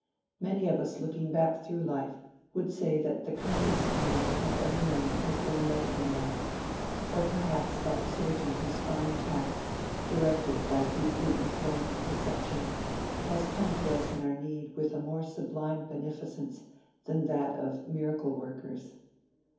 Many of us looking back through life would say that the kindest man we have ever known has been a medical man, or perhaps that surgeon whose fine tact, directed by deeply informed perception, has come to us in our need with a more sublime beneficence than that of miracle workers.